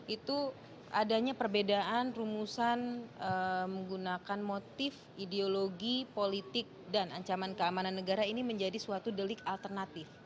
itu adanya perbedaan rumusan menggunakan motif ideologi politik dan ancaman keamanan negara ini menjadi suatu delik alternatif